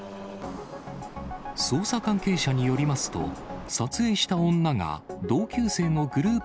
捜査関係者によりますと、撮影した女が同級生のグループ